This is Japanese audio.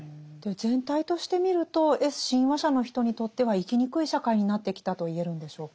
全体として見るとＳ親和者の人にとっては生きにくい社会になってきたと言えるんでしょうか。